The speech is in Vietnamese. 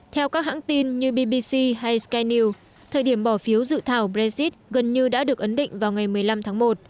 theo các hãng tin như bbc hay skyn news thời điểm bỏ phiếu dự thảo brexit gần như đã được ấn định vào ngày một mươi năm tháng một